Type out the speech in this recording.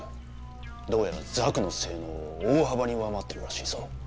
どうやらザクの性能を大幅に上回ってるらしいぞ。